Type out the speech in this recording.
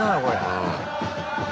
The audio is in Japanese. うん。